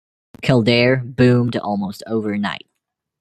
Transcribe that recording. Kildare boomed almost overnight.